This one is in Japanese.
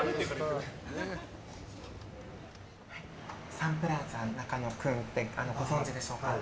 サンプラザ中野くんってご存じでしょうか。